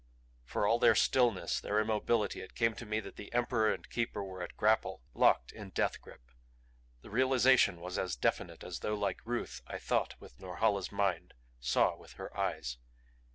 For all their stillness, their immobility, it came to me that Emperor and Keeper were at grapple, locked in death grip; the realization was as definite as though, like Ruth, I thought with Norhala's mind, saw with her eyes.